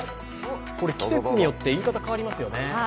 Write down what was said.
季節によって言い方変わりますよね。